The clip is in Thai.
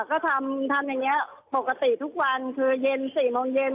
ก็ทำอย่างนี้ปกติทุกวันคือเย็น๔โมงเย็น